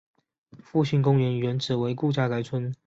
复兴公园原址为顾家宅村。